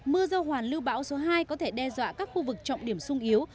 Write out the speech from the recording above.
mưa do hoàn lưu bão số hai có thể đe dọa các khu vực trọng điểm sung yếu